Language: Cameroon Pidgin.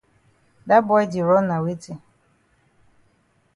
Dat boy di run na weti?